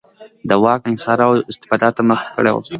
د واک انحصار او استبداد ته مخه کړې وه.